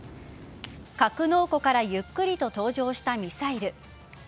格納庫からゆっくりと登場したミサイル。